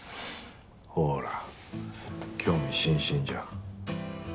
ほら興味津々じゃん。